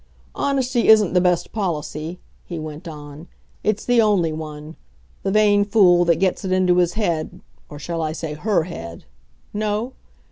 "Honesty isn't the best policy," he went on; "it's the only one. The vain fool that gets it into his head or shall I say her head? No?